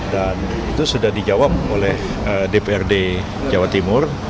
itu sudah dijawab oleh dprd jawa timur